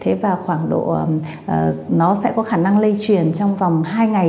thế và khoảng độ nó sẽ có khả năng lây truyền trong vòng hai ngày